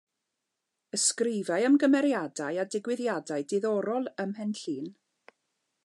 Ysgrifau am gymeriadau a digwyddiadau diddorol ym Mhenllyn.